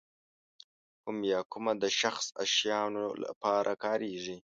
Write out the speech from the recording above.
کوم یا کومه د شخص او شیانو لپاره کاریږي.